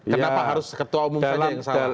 kenapa harus ketua umum saja yang salah